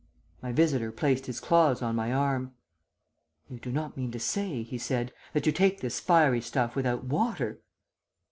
"My visitor placed his claws on my arm. "'You do not mean to say,' he said, 'that you take this fiery stuff without water?'